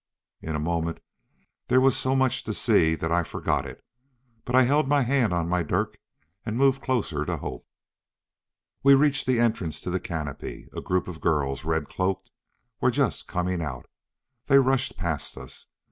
In a moment there was so much to see that I forgot it, but I held my hand on my dirk and moved closer to Hope. We reached the entrance to the canopy. A group of girls, red cloaked, were just coming out. They rushed past us.